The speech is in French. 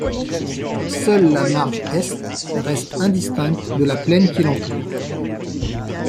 Seule la marge Est reste indistincte de la plaine qui l’entoure.